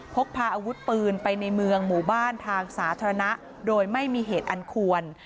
พกพาอาวุธปืนไปในเมืองหมู่บ้านทางสาธารณะโดยไม่มีเหตุอันควร